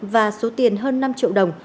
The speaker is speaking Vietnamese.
và số tiền hơn năm triệu đồng